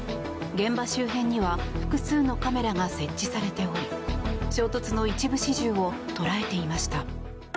現場周辺には複数のカメラが設置されており衝突の一部始終を捉えていました。